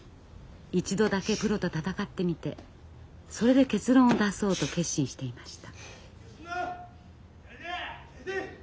一度だけプロと戦ってみてそれで結論を出そうと決心していました。